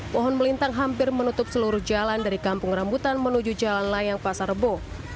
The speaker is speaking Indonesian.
pohon melintang hampir menutup seluruh jalan dari kampung rambutan menuju jalan layang pasar rebo